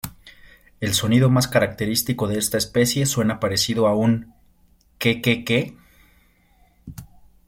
El sonido más característico de esta especie suena parecido a un "¡que, que, que!".